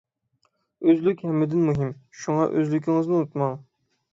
ئۆزلۈك ھەممىدىن مۇھىم. شۇڭا ئۆزلۈكىڭىزنى ئۇنتۇماڭ!